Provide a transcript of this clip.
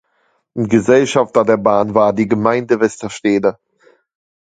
Gesellschafter der Bahn war die Gemeinde Westerstede.